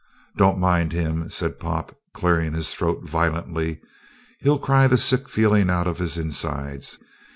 "Don't mind him," said Pop, clearing his throat violently. "He'll cry the sick feelin' out of his insides.